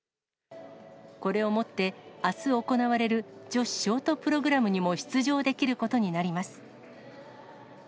これをもって、あす行われる女子ショートプログラムにも出場できることになります。